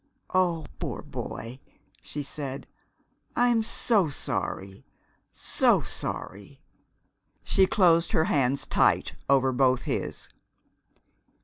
"Oh, poor boy!" she said. "I'm so sorry so sorry!" She closed her hands tight over both his.